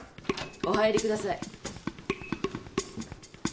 お入りください。